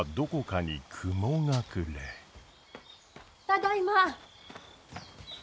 ただいま。